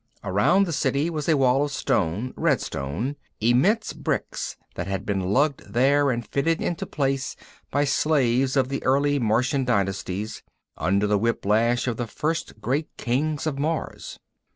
Around the City was a wall of stone, red stone, immense bricks that had been lugged there and fitted into place by slaves of the early Martian dynasties, under the whiplash of the first great Kings of Mars.